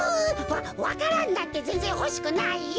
わわか蘭なんてぜんぜんほしくないよ。